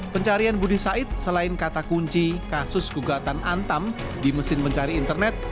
pencarian budi said selain kata kunci kasus gugatan antam di mesin mencari internet